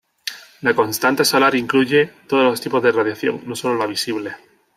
La constante solar incluye todos los tipos de radiación, no sólo la visible.